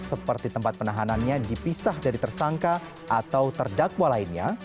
seperti tempat penahanannya dipisah dari tersangka atau terdakwa lainnya